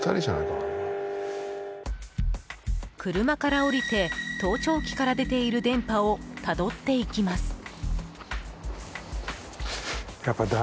車から降りて盗聴器から出ている電波をたどっていきます。